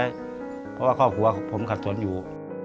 เพราะว่าครอบครัวของผมขัดสนอยู่